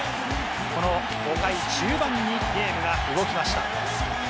この５回中盤にゲームが動きました。